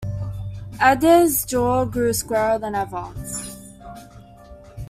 Adair's jaw grew squarer than ever.